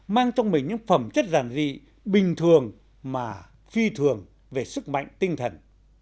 mang trong mình những phẩm chất giản dị bình thường mà phi thường về sức mạnh tinh thần